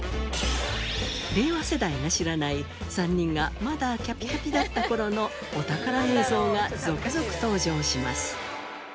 令和世代が知らない３人がまだキャピキャピだった頃のお宝映像が続々登場します。